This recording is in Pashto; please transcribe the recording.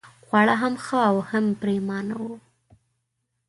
خواړه هم ښه او هم پرېمانه وو.